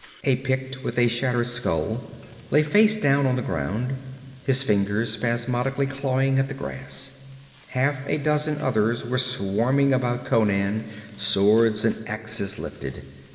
A Pict with a shattered skull lay face down on the ground, his fingers spasmodically clawing at the grass. Half a dozen others were swarming about Conan, swords and axes lifted.